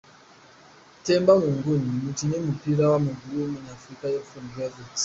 Themba Mnguni, umukinnyi w’umupira w’amaguru w’umunyafurika y’epfo nibwo yavutse.